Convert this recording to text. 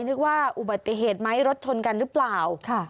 นึกว่าอุบัติเหตุไหมรถชนกันหรือเปล่า